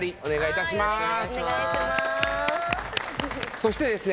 そしてですね